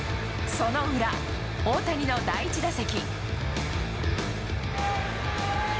その裏、大谷の第１打席。